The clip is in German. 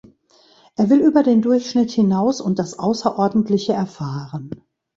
Er will über den Durchschnitt hinaus und das Außerordentliche erfahren.